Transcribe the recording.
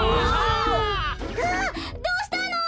あっどうしたの？